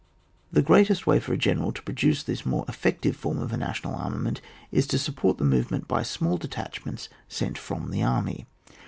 The easiest way for a general to pro duce this more effective form of a national armament, is to support the movement by small detachments sent from the army.